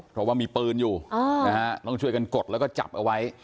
เพราะว่ามีปืนอยู่นะฮะต้องช่วยกันกดแล้วก็จับเอาไว้